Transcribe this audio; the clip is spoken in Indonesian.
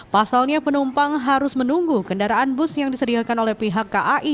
pasalnya penumpang harus menunggu kendaraan bus yang disediakan oleh pihak kai